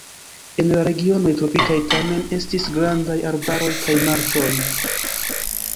En la regionoj tropikaj tamen estis grandaj arbaroj kaj marĉoj.